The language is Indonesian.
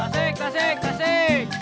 tasik tasik tasik